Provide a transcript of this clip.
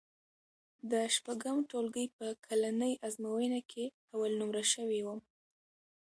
د شپږم ټولګي په کلنۍ ازموینه کې اول نومره شوی وم.